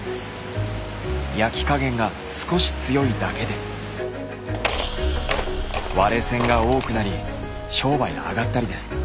焼き加減が少し強いだけで「割れせん」が多くなり商売あがったりです。